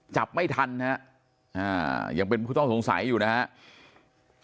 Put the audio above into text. จับไม่ทันนะฮะยังเป็นผู้ต้องสงสัยอยู่นะครับ